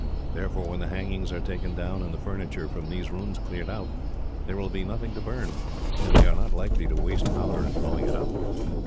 Therefore, when the hangings are taken down, and the furniture from these rooms cleared out, there will be nothing to burn, and they are not likely to waste powder in blowing it up.